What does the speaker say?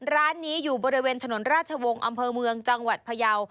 ร้านนี้อยู่บริเวณถนนราชวงศ์อำเภอเมืองจังหวัดพยาว